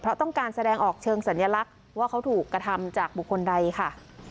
เพราะต้องการแสดงออกเชิงสัญลักษณ์ว่าเขาถูกกระทำจากบุคคลใดค่ะ